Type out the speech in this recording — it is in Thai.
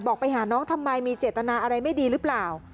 ไปหาน้องทำไมมีเจตนาอะไรไม่ดีหรือเปล่า